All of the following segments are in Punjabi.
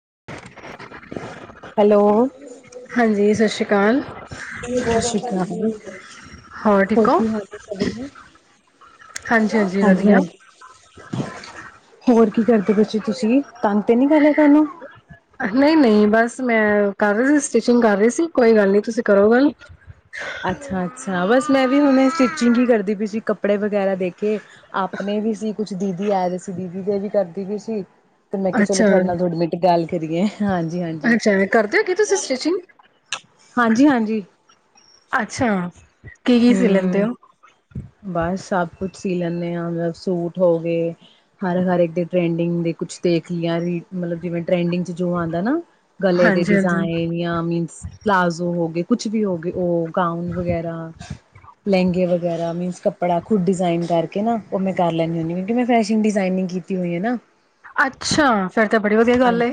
[unintelligible] ਹੈਲੋ ਹਾਂਜੀ ਸ਼੍ਰੀ ਅਕਾਲ ਸਤਿ ਸ਼੍ਰੀ ਅਕਾਲ, ਠੀਕ ਹੋਰ ਹੋ ਕੀ ਹਾਜੀ-ਹਾਂਜੀ-ਹਾਂਜੀ ਹਾਂਜੀ ਹਾਂਜੀ ਵਧੀਆ ਹੋਰ, ਕੀ ਕਰਦੇ ਬੱਚੇ ਤੁਸੀਂ ਤੰਗ ਤੇ ਨੀ ਕਰ ਲਿਆ ਤੁਹਾਨੂੰ ਨਹੀਂ-ਨਹੀਂ ਬਸ ਮੈਂ ਕਰ ਰਹੀ ਸੀ ਸਟਿਚਿੰਗ ਕਰ ਰਹੀ ਸੀ ਕੋਈ ਗੱਲ ਅੱਛਾ-ਅੱਛਾ ਬਸ, ਮੈਂ ਵੀ ਹੁਣ ਸਟਿਚਿੰਗ ਹੀ ਕਰਦੀ ਪਈ ਸੀ ਕੱਪੜੇ ਵਗੈਰਾ ਦੇ ਕੇ ਆਪਣੇ ਵੀ ਸੀ। ਕੁਛ ਦੀਦੀ ਆਏ ਸੀ ਦੀਦੀ ਦੇ ਵੀ ਕਰਦੀ ਵੀ ਸੀ। ਤੇ ਮੈਂ ਕਿਹਾ ਚਲੋ ਅੱਛਾ ਤੁਹਾਡੇ ਨਾਲ ਦੋ ਮਿੰਟ ਗੱਲ ਕਰਿਏ, ਅੱਛਾ ਕਰਦੇ ਹੋ ਕੀ ਤੁਸੀਂ ਸਟਿਚਿੰਗ ਹਾਂਜੀ ਹਾਂਜੀ ਅੱਛਾ, ਕੀ ਕੀ ਸੀ ਲੈਂਦੇ ਹੂੰ ਔ, ਬਸ ਸਭ ਕੁਛ ਸੀ ਲੈਂਦੇ ਆ ਮਤਲਬ ਸੂਟ ਹੋ ਗਏ ਹਰ-ਹਰ ਇੱਕ ਦੇ ਟ੍ਰੈਂਡਿੰਗ ਦੇ ਕੁਛ ਦੇਖ ਲਿਆ ਮਤਲਬ ਜਿਵੇਂ ਟ੍ਰੈਂਡਿੰਗ ਚ ਜੋ ਆਦਾ ਨਾ ਗਲੇ ਦੇ ਹਾਂਜੀ ਹਾਂਜੀ ਡਿਜ਼ਾਇਨ ਜਾਂ ਮੀਨਜ ਪਲਾਜ਼ੋ ਹੋ ਗਏ, ਕੁਛ ਵੀ ਹੋ ਗਏ ਉਹ ਗਾਊਨ ਵਗੈਰਾ ਲਹਿੰਗੇ ਵਗੈਰਾ ਮੀਨਸ ਕੱਪੜਾ ਖੁਦ ਡਿਜ਼ਨ ਕਰਕੇ ਨਾ ਉਹ ਮੈਂ ਕਰ ਲੈਨੀ ਹੁੰਨੀ ਆ ਕਿਉਕਿ ਮੈਂ ਫੈਸ਼ਨ ਡਿਜ਼ਨਿੰਗ ਕੀਤੀ ਹੋਈ ਨਾ, ਅੱਛਾ, ਫੇਰ ਤਾਂ ਬੜੀ ਵਧੀਆ ਗੱਲ ਹਾਂਜੀ ਐ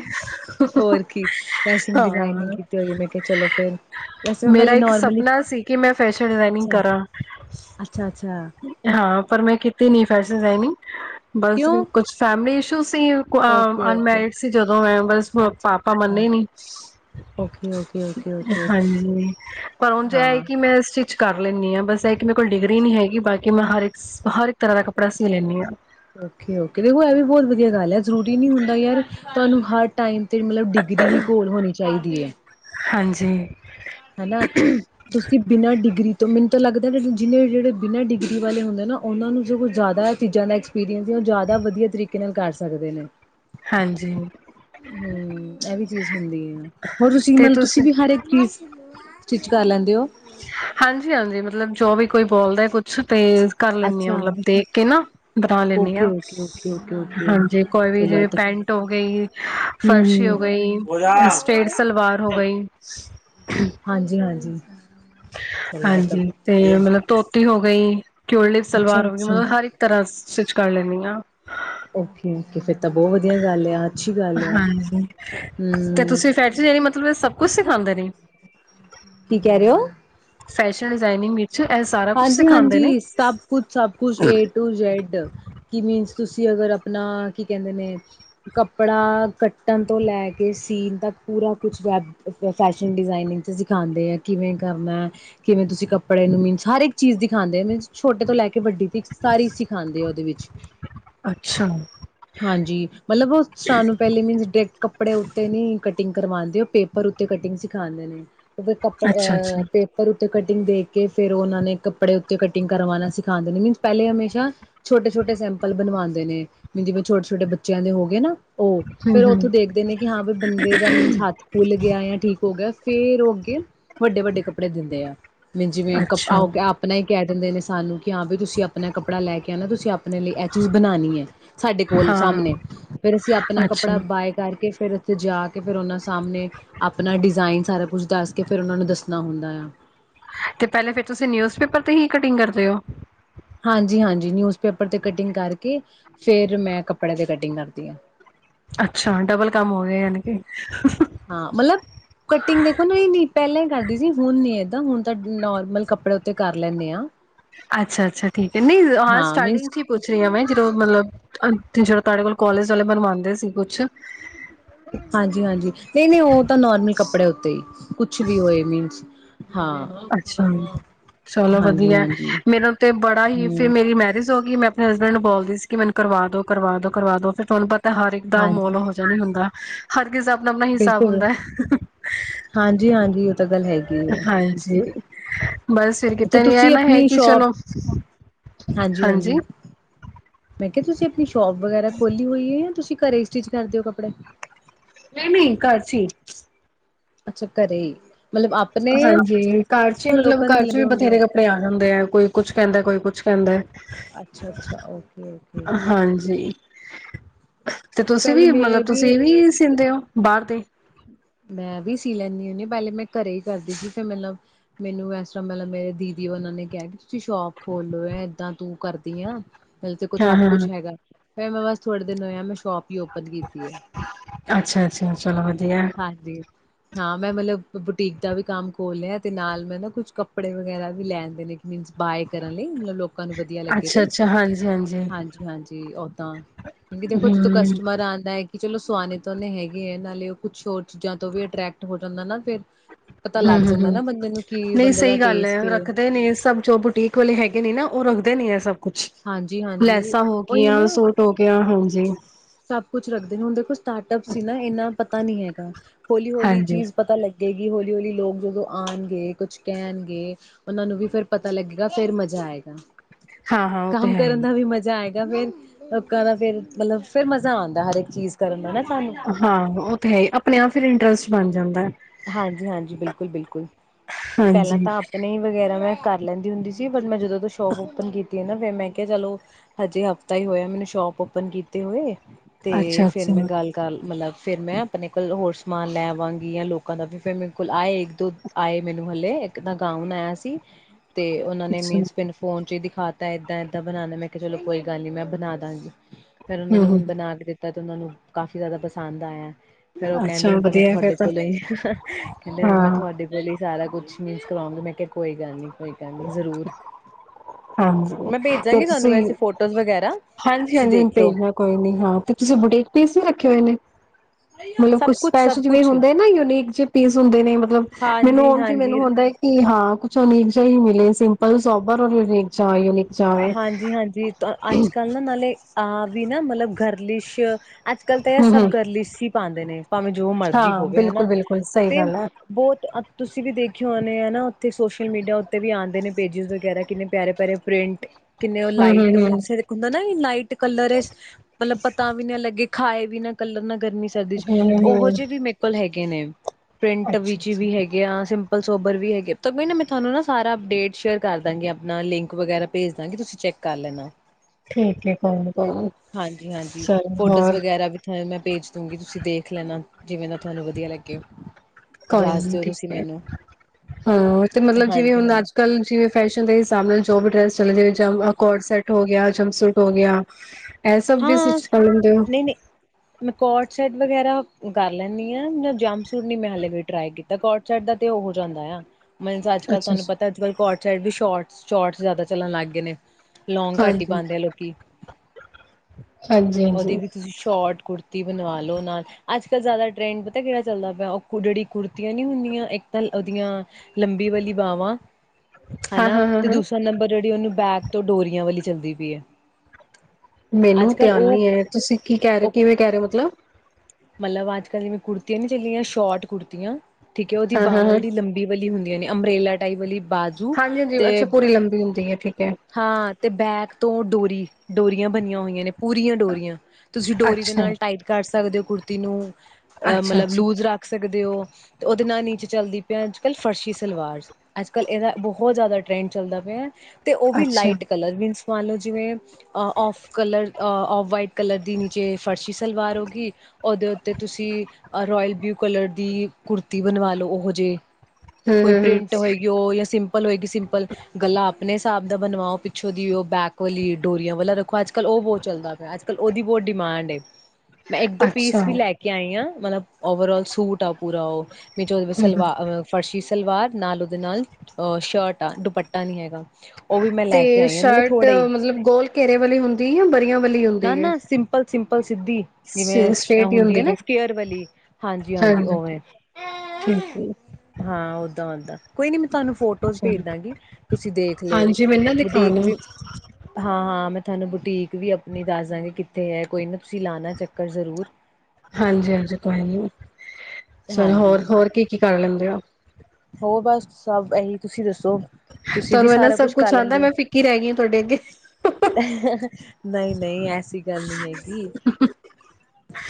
ਹੋਰ ਕੀ ਫੈਸ਼ਨ ਹਾਂ ਡਿਜ਼ਾਇਨਿੰਗ ਕੀਤੀ ਹੋਈ ਮੈਂ ਕਿਹਾ ਚਲੋ ਫਿਰ ਵੈਸੇ ਮੈਂ ਮੇਰਾ ਪਹਿਲੇ ਇੱਕ ਨੋਰਮਲੀ ਸਪਨਾ ਸੀ, ਕਿ ਮੈਂ ਫੈਸ਼ਨ ਡਿਜ਼ਾਇਨਿੰਗ ਅੱਛਾ ਕਰਾਂ ਅੱਛਾ ਅੱਛਾ ਹਾਂ। ਪਰ ਮੈਂ ਕੀਤੀ ਨੀ ਫੈਸ਼ਨ ਡਿਨਿੰਗ ਬਸ ਕਿਉਂ ਕੁੱਛ family issue okay okay unmarried ਸੀ ਜਦੋਂ ਮੈਂ ਬਸ ਅੱਛਾ ਪਾਪਾ ਅੱਛਾ ਮੰਨੇ ਨੀ, ਓਕੇ ਓਕੇ ਓਕੇ ਓਕੇ ਹਾਂਜੀ ਪਰ ਉਝ ਇਹ ਹਾਂ ਕਿ ਮੈਂ ਸਟਿਚ ਕਰ ਲੈਨੀ ਆ ਬਸ ਇਕ ਮੇ ਕੋਲ ਡਿਗਰੀ ਨੀ ਨਹੀਂ ਹੈਗੀ ਬਾਕੀ ਕਿ ਮੈਂ ਹਰ ਇੱਕ ਹਰ ਇੱਕ ਤਰ੍ਹਾਂ ਦਾ ਕੱਪੜਾ ਸੀ ਲੈਨੀ ਆ। ਓਕੇ-ਓਕੇ, ਦੇਖੋ ਇਹ ਵੀ ਬਹੁਤ ਵਧੀਆ ਗੱਲ ਹੈ ਜ਼ਰੂਰੀ ਨੀ ਹੁੰਦਾ ਯਾਰ ਤੁਹਾਨੂੰ ਹਰ ਟਾਈਮ ਫ ਮਲਬ ਡਿਗਰੀ ਹੀ ਕੋਲ ਹੋਣੀ ਚ ਚਾਹੀਦੀ ਐ। ਹਾਂਜੀ, ਹਨਾ ਤੁਸੀਂ ਬਿਨਾਂ ਡਿਗਰੀ ਤੋਂ ਮੈਨੂੰ ਤਾਂ ਲੱਗਦਾ ਨਾ ਜਿੰਨੇ ਜਿਹੜੇ ਬਿਨਾਂ ਡਿਗਰੀ ਵਾਲੇ ਹੁੰਦੇ ਨਾ ਉਹਨਾਂ ਨੂੰ ਜੋ ਕੁਝ ਜ਼ਿਆਦਾ ਚੀਜ਼ਾਂ ਦਾ ਐਕਸਪੀਰੀਅੰਸ ਏਨੂੰ ਜ਼ਿਆਦਾ ਵਧੀਆ ਤਰੀਕੇ ਕਿਵੇਂ ਕਰ ਸਕਦੇ ਨੇ ਹਾਂਜੀ ਹਮ ਇਹ ਵੀ ਚੀਜ਼ ਹੁੰਦੀ ਹੈ ਹੋਰ ਤੁਸੀਂ ਮਤਲਬ ਤੁਸੀਂ ਵੀ ਹਰ ਇੱਕ ਚੀਜ਼ ਸਟਿਚ ਕਰ ਲੈਂਦੇ ਹੋ ਹਾਂਜੀ ਹਾਂਜੀ ਮਤਲਬ ਜੋ ਵੀ ਕੋਈ ਬੋਲਦਾ ਕੁੱਛ ਤੇ ਕਰ ਲੈਦੀ ਹ ਅੱਛਾ ਮਤਲਬ ਦੇਖ ਕੇ ਨਾ ਬਣਾ ਲੈਨੀ ਓਕੇ ਹਾਂ ਓਕੇ ਓਕੇ ਓਕੇ ਓਕੇ ਹਾਂਜੀ ਕੋਈ ਵੀ ਚਲੋ ਇਹ ਜਿਵੇ ਤਾਂ ਫਿਰ ਪੈਂਟ ਹੋ ਗਈ ਫਰਸ਼ੀ ਹੋ ਗਈ ਹੋਜਾ ਸਟੇਟ ਸਲਵਾਰ ਹੋ ਗਈ ਜੀ ਹਾਂਜੀ ਚਲੋ ਮਤਲਬ ਹਾਂਜੀ ਤੇ ਇਹ ਮਤਲਬ ਧੋਤੀ ਹੋ ਗਈ ਕਿਓ ਲੇ ਅੱਛਾ ਸਲਵਾਰ ਹੋ ਗਈ ਅੱਛਾ ਮਤਲਬ ਹਰ ਇੱਕ ਤਰ੍ਹਾਂ ਸਟਿਚ ਕਰ ਲੈਂਦੀ ਹਾਂ ਓਕੇ ਓਕੇ ਫਿਰ ਤਾਂ ਬਹੁਤ ਵਧੀਆ ਗੱਲ ਆ ਅੱਛੀ ਗੱਲ ਆ ਹਾਂਜੀ ਹਮ ਖਾਂਦੇ ਨੇ ਕੀ ਕਹਿ ਰਹੇ ਹੋ ਫੈਸ਼ਨ ਡਿਜ਼ਾਇਨਿੰਗ ਮ ਹਾਂਜੀ ਹਾਂਜੀ ਸਭ ਕੁਛ ਸਭ ਕੁਛ ਏ ਟੂ ਜੈਡ ਕੀ ਮੀਨਸ ਤੁਸੀਂ ਅਗਰ ਆਪਣਾ ਕੀ ਕਹਿੰਦੇ ਨੇ ਕੱਪੜਾ ਕੱਟਣ ਤੋਂ ਲੈ ਕੇ ਸੀਨ ਤੱਕ ਪੂਰਾ ਕੁਛ ਵੈਬ ਫੈਸ਼ਨ ਡਿਜ਼ਾਇਨਿੰਗ ਸਿਖਾਉਂਦੇ ਹੈ ਕਿਵੇਂ ਕਰਨਾ ਕਿਵੇਂ ਤੁਸੀਂ ਕੱਪੜੇ ਨੂੰ ਮੀਨਸ ਹਰ ਇੱਕ ਚੀਜ਼ ਦਿਖਾਂਂਦੇ ਨੇ ਛੋਟੇ ਤੋਂ ਲੈ ਕੇ ਵੱਡੀ ਸਾਰੀ ਸਿਖਾਉਂਦੇ ਆ ਉਹਦੇ ਵਿੱਚ ਅੱਛਾ ਹਾਂਜੀ ਮਤਲਬ ਉਹ ਸਾਰ ਨੂੰ ਪਹਿਲੇ ਮੀਨ ਡਕ ਕੱਪੜੇ ਉੱਤੇ ਨ ਕਟਿੰਗ ਕਰਵਾਦੇ ਉਹ ਪੇਪਰ ਉੱਤੇ ਕਟਿੰਗ ਸਿਖਾਉਂਦੇ ਨੇ ਦੇ ਕੱਪੜੇ ਅੱਛਾ ਅੱਛਾ ਅਹ ਪੇਪਰ ਉੱਪਰ ਕਟਿੰਗ ਦੇ ਕੇ ਫੇਰ ਉਹਨਾਂ ਨੇ ਕੱਪੜੇ ਉੱਤੇ ਕਟਿੰਗ ਕਰਵਾਣਾ ਸਿਖ਼ਾਉਂਦੇ ਨੇ ਮੀਨਸ ਪਹਿਲੇ ਹਮੇਸ਼ਾ ਛੋਟੇ ਛੋਟੇ ਸੈਂਪਲ ਬਣਵਾਉਂਦੇ ਨੇ ਜਿਵੇਂ ਛੋਟੇ ਛੋਟੇ ਬੱਚਿਆਂ ਦੇ ਹੋ ਗਏ ਨਾ ਉਹ ਹਮ ਫੇਿਰ ਹਮ ਉੱਥੋਂ ਦੇਖਦੇ ਨੇ ਕਿ ਹਾਂ ਬ ਬੰਦੇ ਦਾ ਮੀਨਸ ਹੱਥ ਖੁੱਲ ਗਿਆ ਜਾਂ ਠੀਕ ਹੋ ਗਿਆ ਫੇਰ ਉਹ ਅੱਗੇ ਵੱਡੇ ਵੱਡੇ ਕੱਪੜੇ ਦਿੰਦੇ ਆ ਮੀਨ ਜਿਵੇਂ ਅੱਛਾ ਆਓ ਆਪਣਾ ਹੀ ਕਹਿ ਦਿੰਦੇ ਨੇ ਸਾਨੂੰ ਕਿ ਹਾਂ ਬ ਤੁਸੀਂ ਆਪਣਾ ਕੱਪੜਾ ਲੈ ਕੇ ਆਣਾ ਤੁਸੀਂ ਆਪਣੇ ਲਈ ਇਹ ਚੀਜ਼ ਬਣਾਉਣੀ ਹੈ ਸਾਡੇ ਕੋਲ ਹਾਂ ਸਾਹਮਣੇ ਹਾਂ ਫੇਰ ਅਸੀਂ ਆਪਣਾ ਅੱਛਾ ਕੱਪੜਾ ਬਾਏ ਕਰਕੇ ਫਿਰ ਉੱਥੇ ਜਾ ਕੇ ਫਿਰ ਉਹਨਾਂ ਸਾਹਮਣੇ ਆਪਣਾ ਡਿਜ਼ਾਇਨ ਸਾਰਾ ਕੁਛ ਦੱਸ ਕੇ ਫਿਰ ਉਹਨਾਂ ਨੂੰ ਦੱਸਣਾ ਹੁੰਦਾ ਆ ਤੇ ਪਹਿਲੇ ਫਿਰ ਤੁਸੀਂ ਨਿਊਜ਼ਪੇਪਰ ਤੇ ਹੀ ਕਟਿੰਗ ਕਰਦੇ ਹੋ ਹਾਂਜੀ ਹਾਂਜੀ ਨਿਊਜ਼ ਪੇਪਰ ਤੇ ਕਟਿੰਗ ਕਰਕੇ ਫੇਰ ਮੈਂ ਕੱਪੜਿਆਂ ਤੇ ਕਟਿੰਗ ਕਰਦੀ ਹਾਂ ਅੱਛਾ ਡਬਲ ਕੰਮ ਹੋ ਗਏ ਯਾਨੀ ਕਿ ਹਾਂ ਮਤਲਬ ਕਟਿੰਗ ਦੇਖੋ ਨਾ ਨਹੀਂ ਪਹਿਲਾਂ ਕਰਦੀ ਸੀ ਹੁਣ ਨੀ ਏਦਾਂ ਹੁਣ ਤਾਂ ਨੋਰਮਲ ਕੱਪੜੇ ਉੱਤੇ ਕਰ ਲੈਂਦੇ ਹਾਂ ਅੱਛਾ ਅੱਛਾ ਠੀਕ ਹੈ ਨਹੀਂ ਹਾਂ ਸਟਾਰਟਿੰਗ ਚ ਹੀ ਪੁੱਛ ਰਹੀ ਹਾਂ ਮੈਂ ਜਦੋਂ ਮਤਲਬ ਜਿਹੜੇ ਤੁਹਾਡੇ ਕੋਲ ਕਾਲਜ ਵਾਲੇ ਬਨਵਾਉਂਦੇ ਸੀ ਕੁਛ ਹਾਂਜੀ ਹਾਂਜੀ ਨਹੀਂ ਨਹੀਂ ਉਹ ਤਾਂ ਨੋਰਮਲ ਕੱਪੜੇ ਉੱਤੇ ਹੀ ਕੁਛ ਵੀ ਹੋਏ ਮੀਨਸ ਹਾਂ ਅੱਛਾ ਚਲੋ ਵਧੀਆ ਹਾਂਜੀ-ਹਾਂਜੀ ਮੇਰੇ ਤੇ ਬੜਾ ਹੀ ਫ ਹੂੰ ਮੇਰੀ ਮੈਰਿਜ ਹੋ ਗਈ ਮੈਂ ਹਸਬੈਂਡ ਬੋਲਦੀ ਸੀ ਕਿ ਮੈਨੂੰ ਕਰਵਾ ਦੋ ਕਰਵਾ ਦੋ ਕਰਵਾ ਦੋ ਫਿਰ ਤੁਹਾਨੂੰ ਪਤਾ ਤੇ ਹਰ ਇੱਕ ਦਾ ਮੋਲ ਉਹੋ ਜਿਹਾ ਨ ਹੁੰਦਾ ਹਰ ਕਿਸੇ ਦਾ ਆਪਣਾ ਆਪਣਾ ਹਿਸਾਬ ਬਿਲਕੁਲੁ ਹੁੰਦਾ ਹੈ। ਹਾਂਜੀ ਹਾਂਜੀ ਉਹ ਤਾਂ ਗੱਲ ਹੈਗੀ ਹੈ ਹ ਬਸ ਫਿਰ ਕਿਤੇ ਨੀ ਆ ਨਾ ਹੈ ਕਿ ਸ਼ੋਪ ਚਲੋ ਹਾਂਜੀ ਕਿ ਤੁਸੀਂ ਆਪਣੀ ਸ਼ੋਪ ਵਗੈਰਾ ਖੋਲੀ ਹੋਈ ਹੈ ਜਾਂ ਤੁਸੀਂ ਘਰੇ ਸਟਿਚ ਕਰਦੇ ਹੋ ਕੱਪੜੇ ਨਹੀਂ ਨਹੀਂ ਕਰ ਸੀ ਅੱਛਾ ਘਰੇ ਮਤਲਬ ਆਪਣੇ ਜਾਂ ਹਾਂਜੀ ਘਰ ਚ ਹੀ ਮਤਲਬ ਲੋਕਾਂ ਘਰ ਦੇ ਚ ਲੈਂਦੇ ਵੀ ਹੁੰਦੇ ਓ ਬਥੇਰੇ ਕੱਪੜੇ ਆ ਜਾਂਦੇ ਆ ਕੋਈ ਕੁੱਛ ਕਹਿੰਦਾ ਕੋਈ ਕੁ ਕੁਛ ਕਰਦਾ ਹੈ ਅੱਛਾ ਅੱਛਾ ਓਕੇ ਓਕੇ ਹਾਂਜੀ ਤੇ ਤੁਸੀਂ ਵੀ ਮਤਲਬ ਤੁਸੀਂ ਵੀ ਸੀਦੇ ਹੋ ਬਾਹਰ ਦੇ ਮੈਂ ਵੀ ਸੀ ਲੈਂਦੀ ਹੁੰਦੀ ਹ ਪਹਿਲੇ ਮੈਂ ਘਰੇ ਹੀ ਕਰਦੀ ਸੀ ਫਿਰ ਮਤਲਬ ਮੈਨੂੰ ਇਸ ਤਰ੍ਹਾਂ ਮਤਲਬ ਮੇਰੇ ਦੀਦੀ ਉਹਨਾਂ ਨੇ ਕਿਹਾ ਕਿ ਤੁਸੀਂ ਸ਼ੋਪ ਖੋਲੋ ਹੈ ਏਦਾਂ ਤੂੰ ਕਰਦੀ ਆ ਦਿਲ ਤੇ ਕੁਛ ਹਾਂ ਸਭ ਹਾਂ ਕੁਛ ਹੈਗਾ ਫਿਰ ਮੈਂ ਬਸ ਥੋੜੇ ਦਿਨ ਹੋਆ ਮੈਂ ਸ਼ੋਪ ਹੀ ਖਪਤ ਕੀਤੀ ਹੈ ਅੱਛਾ ਅੱਛਾ ਚਲ ਵਧੀਆ ਹਾਂਜੀ ਹਾਂ ਮੈਂ ਮਤਲਬ ਬੁਟੀਕ ਦਾ ਵੀ ਕੰਮ ਖੋਲ੍ਹਿਆ ਤੇ ਨਾਲ ਮੈਂ ਨਾ ਕੁਛ ਕੱਪੜੇ ਵਗੈਰਾ ਵੀ ਲੈਣਦੇ ਨੇ ਮੀਨ ਬਾਏ ਕਰਨ ਲਈ ਮਤਲ ਲੋਕਾਂ ਨੂੰ ਵਧੀਆ ਲੱਗੇ ਤੇ ਅੱਛਾ-ਅੱਛਾ, ਹਾਂਜੀ-ਹਾਂਜੀ, ਹਾਂਜੀ ਹਾਂਜੀ ਓਦਾਂ ਕਿਉਂਕਿ ਦੇਖੋ ਹੂੰ, ਜਦੋਂ ਕਸਟਮਰ ਆਉਂਦਾ ਚਲੋ ਸਵਾਣੇ ਤਾਂ ਉਹਨੇ ਨੇ ਹੈਗੇ ਆ ਨਾਲੇ ਉਹ ਕੁਛ ਹੋਰ ਚੀਜ਼ਾਂ ਤੋਂ ਵੀ ਅਟਰ੍ਰੈਕਟ ਹੋ ਜਾਂਦਾ ਨਾ ਫਿਰ ਪਤਾ ਹਮ ਲੱਗ ਹਮ ਜਾਂਦਾ ਹਮ ਨਾ ਬੰਦੇ ਨੂੰ ਕਿ ਨਹੀਂ ਬੰਦੇ ਦਾ ਸਹੀ ਗੱਲ ਹੈ ਟੇਸਟ ਏ ਰੱਖਦੇ ਨੇ ਸਭ ਜੋ ਬੁਟੀਕ ਵਾਲੇ ਹੈਗੇ ਨੇ ਨਾ ਉਹ ਰੱਖਦੇ ਨ ਨਹੀਂ ਸਭ ਕੁਛ ਹਾਂਜੀ-ਹਾਂਜੀ ਲੈਸਾਂ ਹੋ ਉਹੀ ਗਈਆਂ ਨਾ ਸੋਟ ਹੋ ਗਿਆ ਹਾਂਜੀ ਸਭ ਕੁਛ ਰੱਖਦੇ ਨੇ ਹੁਣ ਦੇਖੋ ਸਟਾਰਟਅਪ ਸੀ ਨਾ ਇੰਨਾ ਪਤਾ ਨੀ ਹੈਗਾ ਹੌਲੀ ਹੌਲੀ ਚੀਜ਼ ਪਤਾ ਲੱ ਲੱਗੇਗੀ ਹੌਲੀ ਹੌਲੀ ਲੋਕ ਜਦੋਂ ਆਉਣਗੇ ਕੁਛ ਕਹਿਣਗੇ ਉਹਨਾਂ ਨੂੰ ਵੀ ਫਿਰ ਪਤਾ ਲੱਗੇਗਾ ਫਿਰ ਮਜ਼ਾ ਆਏਗਾ ਹਾਂ-ਹਾਂ ਉਹ ਤੇ ਕੰਮ ਹੈ ਕਰਨ ਈ, ਦਾ ਵੀ ਮਜ਼ਾ ਆਏਗਾ ਫੇਰ ਲੋਕਾਂ ਦਾ ਫੇਰ ਮਤਲਬ ਫੇਰ ਮਜ਼ਾ ਆਂਦਾ ਹਰ ਇੱਕ ਚੀਜ਼ ਕਰਨ ਦਾ ਨਾ ਸਾਨੂੰ ਹਾਂ ਉਹ ਤੇ ਹੈ ਆਪਣੇ ਆਪ ਫਿਰ ਇੰਟਰਸਟ ਬਣ ਜਾਂਦਾ। ਹੈ। ਹਾਂਜੀ ਹਾਂਜੀ ਬਿਲਕੁਲ ਬਿਲਕੁਲ ਪਹਿਲਾਂ ਹਾਂਜੀ, ਤਾਂ ਆਪਣੇ ਹੀ ਵਗੈਰਾ ਮੈਂ ਕਰ ਲੈਂਦੀ ਹੁੰਦੀ ਸੀ ਪਰ ਮੈਂ ਜਦੋਂ ਤੋਂ ਸ਼ੋਪ ਓਪਨ ਕੀਤੀ ਹੈ ਨਾ ਫਿਰ ਮੈਂ ਕਿਹਾ ਚਲੋ ਹਜੇ ਹਫ਼ਤਾ ਹੀ ਹੋਇਆ ਮੈਨੂੰ ਸ਼ੋਪ ਓਪਨ ਕੀਤੇ ਹੋਏ ਤੇ ਫੇਰ ਮੈਂ ਅੱਛਾ-ਅੱਛਾ, ਗੱਲ ਕਰ ਮਤਲਬ ਫਿਰ ਮੈਂ ਆਪਣੇ ਕੋਲ ਹੋਰ ਸਮਾਨ ਲੈ ਵਾਂਗੀ ਲੋਕਾਂ ਦਾ ਵੀ ਫਿਰ ਮੇਰੇ ਕੋਲ ਆਏ ਆਏ ਮੈਨੂੰ ਹਲੇ ਇੱਕ ਦਾ ਗਾਉਣ ਆਇਆ ਸੀ ਤੇ ਉਹਨਾਂ ਨੇ ਅੱਛਾ, ਮੀਨਸ ਪਿੰਨ ਫੋਨ ਚ ਹੀ ਦਿਖ ਖਾਤਾ ਇਦਾਂ ਇਦਾਂ ਬਣਾਣਾ ਮੈਂ ਕਿਹਾ ਚਲੋ ਕੋਈ ਗੱਲ ਨੀ ਮੈਂ ਬਣਾ ਦਵਾਂਗੀ ਫੇਰ ਉਹਨਾਂ ਨੂੰ ਹੂੰ-ਹੂੰ। ਹੁਣ ਬਣਾ ਕੇ ਉਹ ਨੂੰ ਕਾਫੀ ਜ਼ਿਆਦਾ ਪਸੰਦ ਆਇਆ ਫੇਰ ਉਹ ਅੱਛਾ ਕਹਿੰਦੇ ਹੁਣ ਤਾਂ ਮੈਂ ਵਧੀਆ ਫ਼ਿਰ ਤੁਹਾਡੇ ਕਹਿੰਦੇ ਮੈਂ ਤੁਹਾਡੇ ਵੇਲੇ ਸਾਰਾ ਕੁਛ ਮੀਨਸ ਕਰਾਉਂਗੇ ਮੈਂ ਕਿਹਾ ਕੋਈ ਗੱਲ ਨਹੀਂ ਕੋਈ ਗੱਲ ਨੀ ਜ਼ਰੂਰ ਹਾਂਜੀ ਮੈਂ ਤੇ ਭੇਜਾਂਗੀ ਤੁਹਾਨੂੰ ਤੁਸੀਂ ਵੈਸੇ ਫੋਟੋਜ਼ ਵਗੈਰਾ ਹਾਂਜੀ ਤੁਸੀਂ ਹਾਂਜੀ ਦੇਖਿਓ ਭੇਜਣਾ ਕੋਈ ਨੀ ਹਾਂ ਤੇ ਤੁਸੀਂ ਬੁਟੀਕ ਪੀਸ ਵੀ ਰੱਖ ਕਿਵੇਂ ਨੇ ਮਤਲਬ ਸਭ ਕੁਛ ਸਪੈਸ਼ਲ ਸਭ ਜਿਵੇਂ ਕੁਛ ਹੁੰਦੇ ਨਾ ਯੂਨੀਕ ਜਿਹੇ ਪੀਸ ਹੁੰਦੇ ਨੇ ਮਤਲਬ ਮੈਨੂੰ ਹਾਂਜੀ ਹੁਣ ਜਿਵੇਂ ਹਾਂਜੀ ਮੈਨੂੰ ਹੁੰਦਾ ਕਿ ਹਾਂ ਕੁਛ ਯੁਨਿਕ ਜਿਹੇ ਹੀ ਮਿਲੇ ਸੀ। [unintelligible] ਅੱਛਾ ਯੂਨਿਕ ਹਾਂਜੀ ਹਾਂਜੀ ਅੱਜ ਕੱਲ ਨਾ ਨਾਲੇ ਅ ਵੀ ਨਾ ਮਤਲਬ ਗਰਲਿਸ਼ ਅੱਜ ਕੱਲ ਤਾਂ ਇਹ ਹੂੰ ਸਭ ਹੂੰ ਗਰਲਿਸ਼ ਸੀ ਪਾਉਂਦੇ ਨੇ ਭਾਵੇਂ ਜੋ ਮਰਜ਼ੀ ਹਾਂ ਹੋਵੇ ਹਨਾ ਬਿਲਕੁਲ ਬਿਲਕੁਲ ਸਹੀ ਤੇ ਗੱਲ ਹੈ। ਬਹੁਤ ਤੁਸੀਂ ਵੀ ਦੇਖੀ ਹਨਾ ਉੱਥੇ ਸੋਸ਼ਲ ਮੀਡੀਆ ਉੱਤੇ ਵੀ ਆਉਂਦੇ ਨੇ ਪੇਜਸ ਵਗੈਰਾ ਕਿੰਨੇ ਪਿਆਰੇ ਪਿਆਰੇ ਪ੍ਰਿੰਟ ਕਿੰਨੇ ਉਹ ਹੂੰ ਹੂੰ ਲਾਈਟ ਹੂੰ ਮਤਲਬ ਹੁੰਦਾ ਨਾ ਲਾਈਟ ਕਲਰ ਚ ਮਤਲਬ ਪਤਾ ਵੀ ਨੀ ਲੱਗੇ ਖਾਏ ਵੀ ਨਾ ਕੱਲਰ ਨਾ ਗਰਮੀ ਸਰਦੀ ਚ ਹੂੰ ਤੇ ਹੂੰ ਉਹੋ ਹੂੰ ਜਿਹੇ ਵੀ ਮੇਰੇ ਕੋਲ ਹੈਗੇ ਕਿ ਨੇ ਪ੍ਰਿੰਟ ਅੱਛਾ ਵਿੱਚ ਅੱਛਾ ਵੀ ਹੈਗੇ ਆ ਸਿੰਪਲ ਸੋਬਰ ਵੀ ਹੈਗੇ ਨਾ ਮੈਂ ਤੁਹਾਨੂੰ ਨਾ ਸਾਰਾ ਅਪਡੇਟ ਸ਼ੇਅਰ ਕਰ ਦਾਂਗੀ ਆਪਣਾ ਲਿੰਕ ਵਗੈਰਾ ਭੇਜ ਦਵਾਂਗੀ ਤੁਸੀਂ ਚੈੱਕ ਕਰ ਲੈਣਾ ਠੀਕ ਏ ਕੋਈ ਨੀ ਕੋਈ ਨੀ। ਹਾਂਜੀ ਹਾਂਜੀ ਚਲੋ ਫੋਟੋਜ਼ ਹੋਰ ਵਗੈਰਾ ਵੀ ਮੈਂ ਭੇਜ ਦੂੰਗੀ ਤੁਸੀਂ ਦੇਖ ਲੈਣਾ ਜਿਵੇਂ ਦਾ ਤੁਹਾਨੂੰ ਵਧੀਆ ਲੱਗੇ ਕੋਈ ਦੱਸ ਨੀ ਦਿਓ ਠੀਕ ਤੁਸੀਂ ਹੈ ਮੈਨੂੰ ਹਾਂ ਤੇ ਮਤਲਬ ਜਿਵੇਂ ਹਾਂਜੀ ਹੁਣ ਹਾਂਜੀ ਅੱਜ ਕਲ ਜਿਵੇਂ ਫੈਸ਼ਨ ਦੇ ਹਿਸਾਬ ਨਾਲ ਜੋੋਬ ਡਰੈੱਸ [unintelligible] ਕੋਡ ਸੈੱਟ ਹੋ ਗਿਆ ਜਮ ਸੂਟ ਹੋ ਗਿਆ ਐਸਾ ਵੀ ਹਾਂ ਸਟਿੱਚ ਕਰ ਲੈਂਦੇ ਓ ਨਹੀਂ ਨਹੀਂ ਮੈਂ ਕੋਟ ਵਗੈਰਾ ਕਰ ਲੈਂਦੀ ਆ ਜਾਂ ਜਮ ਸੂਟ ਨਹੀ ਮੈਂ ਹਲੇ ਟਰਾਈ ਕੀਤਾ ਕੋਡ ਸੈੱਟ ਦਾ ਤੇ ਉਹ ਜਾਂਦਾ ਆ ਅੱਜ ਕੱਲ ਅੱਛਾ ਤੁਹਾਨੂੰ ਪਤਾ ਅੱਛਾ ਅੱਜ ਕਲ ਸ਼ੋਟਸ ਸ਼ੋਟਸ ਜਿਆਦਾ ਚੱਲਣ ਲੱਗ ਗਏ ਨੇ ਲੌਗ ਘੱਟ ਹੀ ਹਾਂਜੀ ਪਾਉਂਦੇ ਆ ਲੋਕੀ ਹਾਂਜੀ ਹਾਂਜੀ ਉਹਦੀ ਵੀ ਤੁਸੀਂ ਸ਼ੋਟ ਕੁੁਰਤੀ ਕੁੜਤੀ ਬਣਵਾ ਲਓ ਨਾਲ ਅੱਜ ਕੱਲ੍ਹ ਜ਼ਿਆਦਾ ਟਰੈਂਡ ਪਤਾ ਕਿਹੜਾ ਚੱਲਦਾ ਪਿਆ ਉਹ ਕੁੜਤੀਆਂ ਨੀ ਹੁੰਦੀਆਂ ਇੱਕ ਤਾਂ ਉਹਦੀਆਂ ਲੰਬੀ ਵਾਲੀ ਬਾਵਾਂ ਹਾਂ ਹਨਾ ਹਾਂ ਹਾਂ ਤੇ ਹਾਂ ਦੂਸਰਾ ਨੰਬਰ ਜਿਹੜੀ ਉਹਨੂੰ ਬੈਕ ਤੋਂ ਡੋਰੀਆਂ ਵਾਲੀ ਚੱਲਦੀ ਪਈ ਹੈ ਮੈਨੂੰ ਅੱਜ ਕੱਲ ਧਿਆਨ ਉਹ ਨਹੀਂ ਹੈ ਤੁਸੀਂ ਕੀ ਕਹਿ ਰਹੇ ਉਹ ਕਿਵੇਂ ਕਹਿ ਰਹੇ ਹੋ ਮਤਲਬ ਮਤਲਬ ਅੱਜ ਕੱਲ੍ਹ ਜਿਵੇਂ ਕੁੜਤੀਆਂ ਨੀ ਚੱਲੀਆਂ ਸ਼ੋਰਟ ਕੁੜਤੀਆਂ ਠੀਕ ਉਹਦੀ ਹਾਂ ਹਾਂ ਬਾਹਵਾਂ ਹਾਂ ਜਿਹੜੀ ਲੰਬੀ ਵਾਲੀ ਹੁੰਦੀ ਅੰਬਰੇਲਾ ਟਾਈਪ ਵਾਲੀ ਬਾਜੂ ਹਾਂਜੀ ਤੇ ਹਾਂਜੀ ਅੱਛਾ ਪੂਰੀ ਲੰਬੀ ਹੁੰਦੀ ਹੈ ਠੀਕ ਹੈ ਹਾਂ ਤੇ ਬੈਕ ਤੋਂ ਡੋਰੀ ਡੋਰੀ ਬਣੀਆਂ ਹੋਈਆਂ ਨੇ ਪੂਰੀਆਂ ਡੋਰੀਆਂ ਤੁਸੀਂ ਡੋਰੀ ਦੇ ਅੱਛਾ ਨਾਲ ਟਾਈਟ ਕਰ ਸਕਦੇ ਹੋ ਕੁੜਤੀ ਨੂੰ ਅਹ ਅੱਛਾ ਮਤਲਬ ਅੱਛਾ ਲੂਜ ਰੱਖ ਸਕਦੇ ਹੋ ਉਹਦੇ ਨਾਲ ਨੀਚੇ ਚੱਲਦੀ ਪਈ ਆ ਫਰਸ਼ੀ ਸਲਵਾਰ ਅੱਜ ਕੱਲ੍ਹ ਇਹਦਾ ਬਹੁਤ ਜ਼ਿਆਦਾ ਟਰੈਂਡ ਚੱਲਦਾ ਪਿਆ ਅਤੇ ਉਹ ਵੀ ਅੱਛਾ ਲਾਈਟ ਕਲਰ ਮਿਨਸ ਮਨ ਲਓ ਜਿਵੇਂ off colour off white colour ਦੀ ਨੀਚੇ ਫਰਸ਼ੀ ਸਲਵਾਰ ਹੋ ਗਈ ਉਹਦੇ ਉੱਤੇ ਤੁਸੀਂ ਰੋਇਲ ਬਲਊ ਕਲਰ ਦੀ ਕੁੁਰਤੀ ਬਣਵਾ ਲੋ ਉਹੋ ਜਿਹੇ ਹਮ ਕੋਈ ਹਮ ਪ੍ਰਿੰਟ ਹਮ ਹੋਏਗੀ ਉਹ ਜਾਂ ਸਿੰਪਲ। ਕੱਲ ਦੇਖੀਂ ਸੀ। ਸਿੰਪਲ ਗਲਾ। ਆਪਣੇ ਹਿਸਾਬ ਦਾ ਬਣਵਾਓ ਪਿੱਛੋਂ ਦੀ ਉਹ ਬੈਕ ਵਾਲੀ ਡੋਰੀਆਂ। ਪਹਿਲਾ ਦੇਖੋਂ ਅੱਜ ਕੱਲ ਉਹ ਬਹੁਤ ਚੱਲਦਾ ਪਈਆ ਅੱਜ ਕੱਲ ਉਹਦੀ ਬਹੁਤ ਡਿਮਾਂਡ ਹੈ। ਮੈਂ ਇੱਕ ਦੋ ਪੀਸ ਅੱਛਾ ਵੀ ਲੈ ਕੇ ਆਈ ਹਾਂ। ਮਤਲਬ ਓਵਰ ਆਲ ਸੂਟ ਆ ਪੂਰਾ ਉਹ। ਵਿੱਚ ਉਹਦੇ ਹਮ ਸਲਵਾਰ ਫਰਸ਼ੀ। ਸਲਵਾਰ ਨਾਲ ਉਹਦੇ ਨਾਲ ਅ ਸ਼ਰਟ ਆ ਦੁਪੱਟਾ ਨਹੀ ਹੈਗਾ। ਉਹ ਵੀ ਮੈਂ ਤੇ ਲੈ ਕੇ ਆਈ ਹਾਂ ਮਤਲਬ ਸ਼ਰਟ ਥੋੜਾ ਹੀ ਮਤਲਬ ਗੋਲ। ਘੇਰੇ ਵਾਲੀ ਹੁੰਦੀ ਜਾਂ ਬਰੀਆਂ ਵਾਲੀ ਹੁੰਦੀ ਹੈ। ਸਿੰਪਲਸ। ਸਿੱਧੀ ਜਿਵੇ ਸਟੇਟ ਹੀ ਹੁੰਦੀ ਆ ਨਾ ਹੈ ਸਕੇਰ ਵਾਲੀ ਹਾਂਜੀ ਹਾਂਜੀ ਓਵੇਂ ਠੀਕ ਹੈ ਹਾਂ ਓਦਾ ੳਦਾ ਕੋਈ ਨਾ ਮੈਂ ਤੁਹਾਨੂੰ ਫੋਟੋਜ ਭੇਜ ਚਲੋ ਦਾਂਗੀ ਤੁਸੀ ਦੇਖ ਲਿਓ ਹਾਂਜੀ ਮੈਨੂੰ ਨਾ ਬਟੀਕ ਦਿਖਾਣਾ ਵੀ। ਹਾਂ ਮੈਂ ਤੁਹਾਨੂੰ ਬੁਟੀਕ ਵੀ ਆਪਣੀ ਦੱਸ ਦਾਂਗੀ ਕਿੱਥੇ ਹੈ ਕੋਈ ਨਾ ਤੁਸੀਂ ਲੇ ਲੈਣਾ ਚੱਕਰ ਜ਼ਰੂਰ। ਹਾਂਜੀ ਹਾਂਜੀ ਕੋਈ ਨੀ। ਚਲ ਹੋਰ ਹਾਂਜੀ ਹੋਰ ਕੀ ਕੀ ਕਰ ਲੈਂਦੇ ਹੋ। ਦੇਉ। ਉਹ ਬਸ ਸਭ ਇਹੀ ਤੁਸੀਂ ਦੱਸੋ। ਤੁਸੀਂ ਵੀ ਤੁਹਾਨੂੰ ਇਹਨਾ ਸਾਰਾ ਸਭ ਕੁਛ ਕਰ ਕੁੱਛ ਆਉਂਦਾ ਲੈਂਦੇ ਹੋ। ਮੈਂ ਫਿੱਕੀ ਰਹਿ ਗਈ ਹਾਂ ਤੁਹਾਡੇ ਅੱਗੇ ਹਾਹਾ। ਨਹੀਂ ਨਹੀਂ ਐਸੀ ਗੱਲ ਨਹੀਂ ਹੈਗੀ।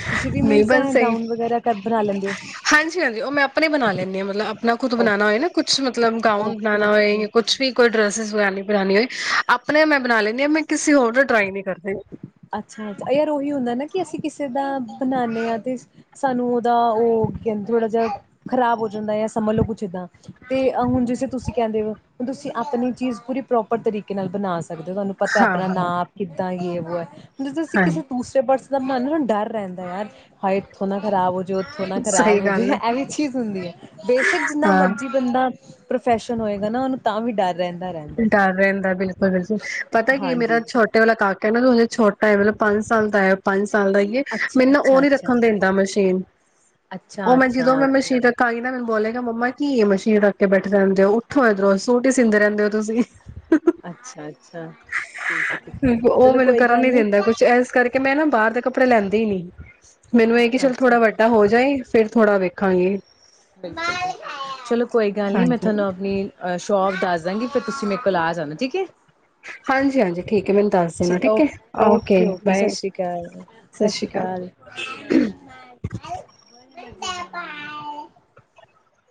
ਤੁਸੀਂ ਵੀ ਨਹੀਂ ਮੀਨਸ ਬਸ ਸਹੀ ਗਾਊਨ ਵਗੈਰਾ ਕਰ ਬਣਾ ਲੈਂਦੇ ਹੋ। ਹਾਂਜੀ ਹਾਂਜੀ ਉਹ ਮੈਂ ਆਪਣੇ ਬਣਾ ਲੈਂਦੀ ਹਾਂ ਮਤਲਬ ਨਾ ਖ਼ੁਦ ਬਣਾਉਣਾ ਹੋਏ ਨਾ ਕੁਛ। ਮਤਲਬ ਗਾਊਨ ਬਣਾਉਣਾ ਹੋਏ ਕੁਛ ਓਕੇ-ਓਕੇ-ਓਕੇ-ਓਕੇ ਵੀ ਕੋਈ ਡਰੈਸ ਬਣਾਉਣੀ। ਬਣਾਉਣੀ ਹੋਏ ਆਪਣੇ ਮੈਂ ਬਣਾ ਲੈਂਦੀ ਹਾਂ ਮੈਂ ਕਿਸੇ ਹੋਰ ਨੂੰ ਟਰਾਈ ਨਹੀਂ। ਕਰਦੀ ਅੱਛਾ ਅੱਛਾ ਯਾਰ ਉਹੀ ਹੁੰਦਾ ਨਾ। ਕਿ ਅਸੀਂ ਕਿਸੇ ਦਾ ਬਣਾਉਣਾ ਹਾਂ ਤੇ ਸਾਨੂੰ ਉਹਦਾ ਉਹ ਕਹਿੰਦੇ ਥੋੜ੍ਹਾ ਜਿਹਾ ਖ਼ਰਾਬ ਹੋ ਜਾਂਦਾ ਜਾਂ ਸਮਝੋ ਕੁਛ ਇੱਦਾਂ ਤੇ ਹੁਣ ਜਿਸੇ ਤੁਸੀਂ ਕਹਿੰਦੇ ਹੋ ਹੁਣ ਤੁਸੀਂ ਆਪਣੀ ਚੀਜ਼ ਪੂਰੀ ਪ੍ਰੋਪਰ ਤਰੀਕੇ ਨਾਲ ਬਣਾ ਸਕਦੇ। ਜਦੋਂ ਤੁਹਾਨੂੰ ਪਤਾ ਹਾਂ ਆਪਣਾ ਹਾਂ ਨਾਂ ਕਿ। ਬੀ ਬੋਏ। ਜਦ ਅਸੀਂ ਹਾਂ ਕਿਸੇ ਦੂਸਰੇ ਪਰਸਨ। ਜਿੰਦਾ ਮਨ ਨੂੰ ਨਾਂ ਡਰ ਰਹਿੰਦਾ ਯਾਰ। ਹੈ ਇੱਥੋਂ ਨਾ ਖਰਾਬ ਹੋ ਜੇ ਉੱਥੋਂ ਨਾ ਖਰਾਬ ਸਹੀ ਹੋ ਜਾਵੇ ਗੱਲ ਹੈ ਇਹ ਵੀ ਚੀਜ਼ ਹੁੰਦੀ ਹੈ ਬੇਸ਼ਕ ਜਿੰਨਾ ਹਾਂ ਮਰਜ਼ੀ ਬੰਦਾ ਪ੍ਰੋਫੈਸ਼ਨ ਹੋਏਗਾ ਨਾ ਉਹਨੂੰ। ਤਾਂ ਵੀ ਡਰ ਰਹਿੰਦਾ-ਰਹਿੰਦਾ। ਡਰ ਰਹਿੰਦਾ ਬਿਲਕੁਲ ਬਿਲਕੁਲ ਪਤਾ ਕੀ ਮੇਰਾ ਹਾਂਜੀ ਛੋਟੇ ਵਾਲਾ ਕਾਕ ਕਹਿੰਦ ਮੈਨੂੰ ਛੋਟ ਮਤਲਬ ਪੰਜ ਸਾਲ ਦਾ ਹੈ। ਪੰਜ ਸਾਲ ਦਾ ਹੀਏ ਮੈਨੂੰ ਨਾ ਉਹ ਨੀ ਅੱਛਾ-ਅੱਛਾ-ਅੱਛਾ ਰੱਖਣ ਦਿੰਦਾ ਮਸ਼ੀਨ। ਅੱਛਾ ਉਹ ਮੈਂ ਅੱਛਾ ਜਦੋਂ ਮੈਂ ਓਕੇ ਮਸ਼ੀਨ ਓਕੇ ਰੱਖਾਂਗੀ ਨਾ ਮੈਨੂੰ ਬੋਲੇਗਾ ਮੰਮਾ ਕੀ ਏ ਮਸ਼ੀਨ ਰੱਖ ਕੇ ਬੈਠੇ ਰਹਿੰਦੇ ਹੋ, ਉਠੋ ਇੱਧਰੋਂ ਸੂਟ ਈ ਸੀਂਦੇ ਰਹਿੰਦੇ ਔ। ਤੁਸੀਂ ਹ ਹ ਅੱਛਾ ਅੱਛਾ ਠੀਕ ਹੈ ਠੀਕ ਹੈ ਹ। ਉਹ ਚਲੋ ਮੈਨੂੰ ਕੋਈ ਕਰਨ ਗੱਲ ਨੀ ਦਿੰਦਾ ਕੁਛ ਇਸ ਕਰਕੇ ਮੈਂ ਨਾ ਬਾਹਰ ਦੇ ਕੱਪੜੇ ਲੈਂਦੀ ਨੀ। ਮੈਨੂੰ ਇਹ ਕਿ ਅੱਛਾ ਚੱਲ ਅੱਛਾ ਥੋੜਾ ਵੱਡਾ ਹੋ ਜਾਏ ਫੇਰ ਥੋੜਾ ਵੇਖਾਂਗੇ। ਬਿਲਕੁਲ ਚਲੋ ਕੋਈ ਗੱਲ ਨੀ, ਮੈਂ ਹਾਂਜੀ ਤੁਹਾਨੂੰ ਆਪਣੀ ਅ ਸ਼ੌਪ ਦੱਸ [inaudible] ਫਿਰ ਤੁਸੀਂ ਮੇਰੇ ਕੋਲ ਆ ਜਾਣਾ ਠੀਕ ਏ। ਹਾਂਜੀ ਹਾਂਜੀ ਠੀਕ ਹੈ ਮੈਨੂੰ ਦੱਸ ਦੇਣਾ ਠੀਕ ਹੈ। ਓਕੇ। ਬਾਏ, ਸ਼੍ਰੀ ਅਕਾਲ ਸਤਿ ਸ੍ਰੀ ਸ਼੍ਰੀ ਅਕਾਲ। [inaudible]